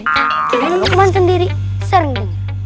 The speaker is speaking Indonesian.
karena lukman sendiri sering dengar